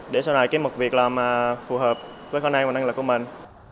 để sau này kiếm một việc làm phù hợp với khả năng và năng lực của mình